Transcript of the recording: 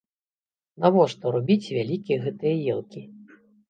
Навошта рубіць вялікія гэтыя елкі.